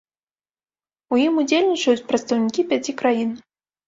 У ім удзельнічаюць прадстаўнікі пяці краін.